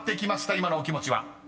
今のお気持ちは？］